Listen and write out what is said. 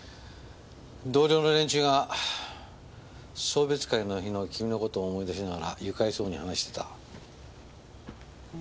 同僚の連中が送別会の日の君の事思い出しながら愉快そうに話してた。